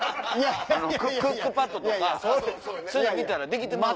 クックパッドとかそういうの見たらできてまう。